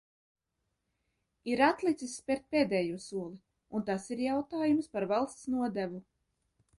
Ir atlicis spert pēdējo soli, un tas ir jautājums par valsts nodevu.